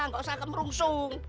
nggak usah merungsung